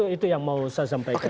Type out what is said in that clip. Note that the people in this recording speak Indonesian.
itu yang mau saya sampaikan